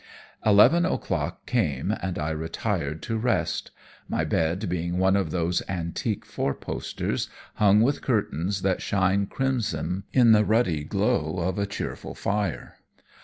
Eleven o'clock came, and I retired to rest; my bed being one of those antique four posters, hung with curtains that shine crimson in the ruddy glow of a cheerful fire.